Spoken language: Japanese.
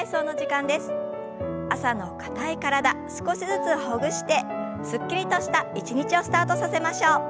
朝の硬い体少しずつほぐしてすっきりとした一日をスタートさせましょう。